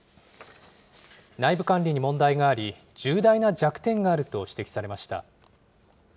内部管理に問題があり、重大な弱点があると指摘されました。